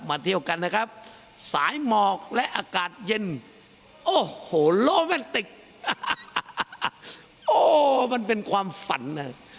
เที่ยวกันนะครับสายหมอกและอากาศเย็นโอ้โหโลแมนติกโอ้มันเป็นความฝันนะ